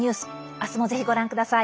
明日もぜひご覧ください。